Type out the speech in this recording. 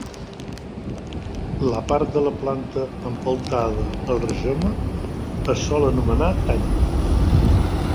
La part de la planta empeltada al rizoma es sol anomenar tany.